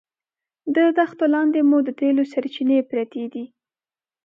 د دښتو لاندې مو د تېلو سرچینې پرتې دي.